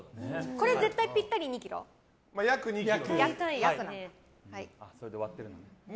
これ、絶対ぴったり２ｋｇ？約２ｋｇ。